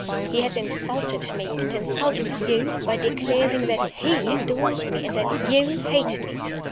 He has insulted me, and insulted you, by declaring that he adores me and that you hate me.